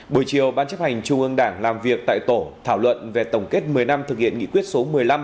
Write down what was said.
buổi chiều ban chấp hành trung ương đảng làm việc tại tổ thảo luận về tổng kết một mươi năm thực hiện nghị quyết số một mươi năm